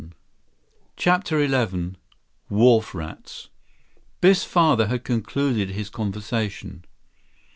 76 CHAPTER XI Wharf Rats Biff's father had concluded his conversation.